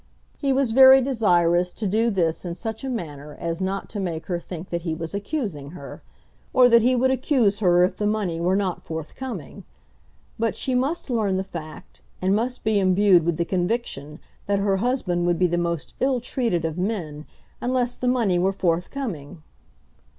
He was very desirous to do this in such a manner as not to make her think that he was accusing her, or that he would accuse her if the money were not forthcoming. But she must learn the fact, and must be imbued with the conviction that her husband would be the most ill treated of men unless the money were forthcoming.